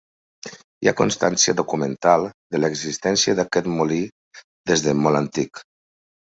Hi ha constància documental de l'existència d'aquest molí des de molt antic.